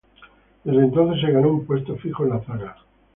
Desde entonces se ganó un puesto fijo en la zaga.